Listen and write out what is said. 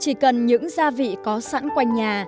chỉ cần những gia vị có sẵn quanh nhà